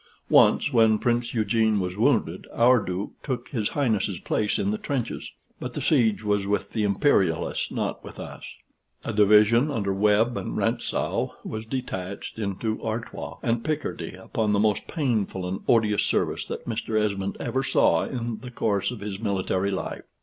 Once, when Prince Eugene was wounded, our Duke took his Highness's place in the trenches; but the siege was with the Imperialists, not with us. A division under Webb and Rantzau was detached into Artois and Picardy upon the most painful and odious service that Mr. Esmond ever saw in the course of his military life.